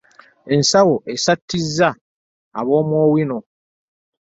Ensawo essatizza ab'omu owino.